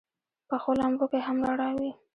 پخو لمبو کې هم رڼا وي